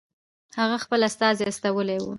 هغه خپل استازی استولی وو.